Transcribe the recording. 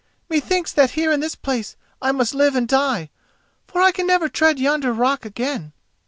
Methinks that here in this place I must live and die, for I can never tread yonder rock again."